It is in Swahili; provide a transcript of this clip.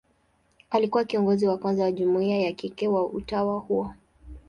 Alikuwa kiongozi wa kwanza wa jumuia ya kike wa utawa huo.